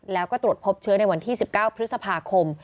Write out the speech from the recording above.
แล้วก็ตรวจพบเชื้อในวันที่๑๙พฤษภาคม